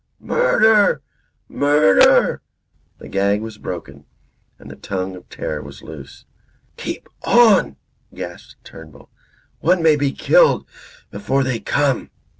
Murder! Murder!" The gag was broken; and the tongue of terror was loose. "Keep on!" gasped Turnbull. "One may be killed before they come."